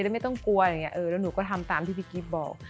ไม่ต้องกลัวอะไรอย่างนี้แล้วหนูก็ทำตามที่พี่กิฟต์บอก